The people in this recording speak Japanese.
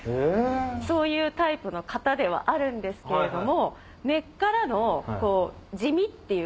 そういうタイプの方ではあるんですけれども。